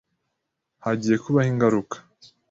Hagiye kubaho ingaruka.